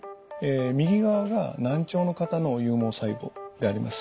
右側が難聴の方の有毛細胞であります。